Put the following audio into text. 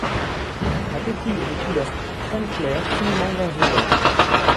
La coquille est de couleur crême claire, finement nervurée.